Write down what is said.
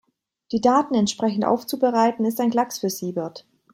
Die Daten entsprechend aufzubereiten, ist ein Klacks für Siebert.